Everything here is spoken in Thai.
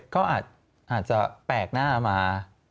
ก็อาจจะแปลกหน้ามา